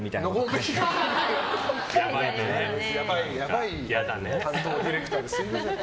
やばい担当ディレクターですみません。